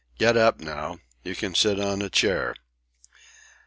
Get up now. You can sit on a chair."